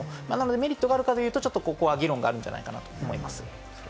メリットがあるかというと、議論はあるんじゃないかと思います。